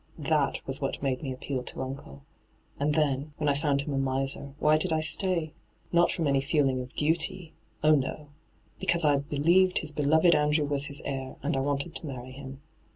That was what made me appeal to uncle. And then, when I found him a miser, why did I stay? Not from any feeling of duty — oh no I Because I believed his beloved Andrew was his heir, and I wanted to marry him.